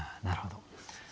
なるほど。